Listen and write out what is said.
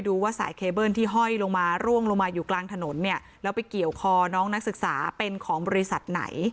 ว่าสายเคเบิ้ลที่ห้อยลงมาร่วงลงมาอยู่กลางถนนเนี่ยแล้วไปเกี่ยวคอน้องนักศึกษาเป็นของบริษัทไหน